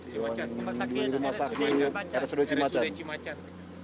di rumah saki rsud cimacan